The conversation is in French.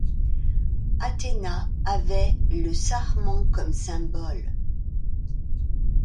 Athéna avait le sarment comme symbole.